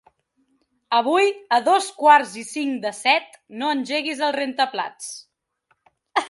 Avui a dos quarts i cinc de set no engeguis el rentaplats.